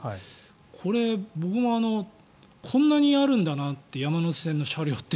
これ、僕もこんなにあるんだなって山手線の車両って。